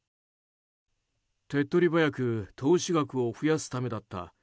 手っ取り早く投資額を増やすためだった。